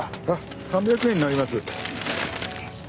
３００円になります。